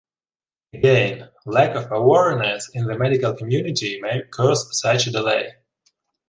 Again, lack of awareness in the medical community may cause such a delay.